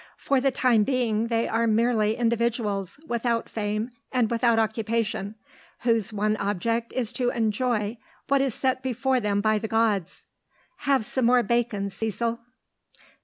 For the time being they are merely individuals, without fame and without occupation, whose one object is to enjoy what is set before them by the gods. Have some more bacon, Cecil."